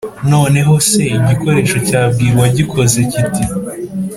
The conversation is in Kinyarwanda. Noneho se, igikoresho cyabwira uwagikoze kiti